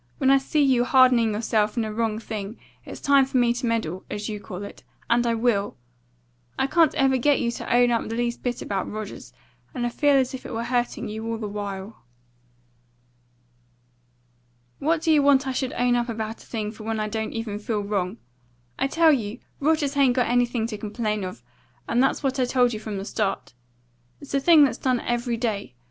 When I see you hardening yourself in a wrong thing, it's time for me to meddle, as you call it, and I will. I can't ever get you to own up the least bit about Rogers, and I feel as if it was hurting you all the while." "What do you want I should own up about a thing for when I don't feel wrong? I tell you Rogers hain't got anything to complain of, and that's what I told you from the start. It's a thing that's done every day.